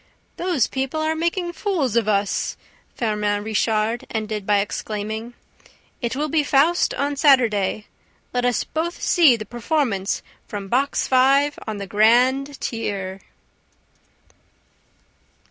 "Those people are all making fools of us!" Firmin Richard ended by exclaiming. "It will be FAUST on Saturday: let us both see the performance from Box Five on the grand tier!"